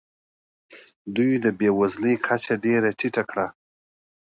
دوی د بې وزلۍ کچه ډېره ټیټه کړه.